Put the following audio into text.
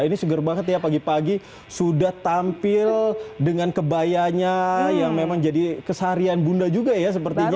ini seger banget ya pagi pagi sudah tampil dengan kebayanya yang memang jadi kesaharian bunda juga ya sepertinya